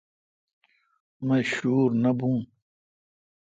مہ شور نہ بھوں۔